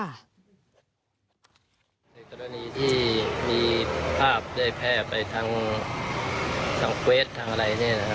ในกรณีที่มีภาพได้แพร่ไปทางเฟสทางอะไร